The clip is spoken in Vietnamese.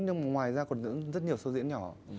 nhưng ngoài ra còn rất nhiều show diễn nhỏ